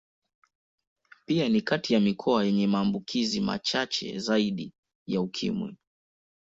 Pia ni kati ya mikoa yenye maambukizi machache zaidi ya Ukimwi.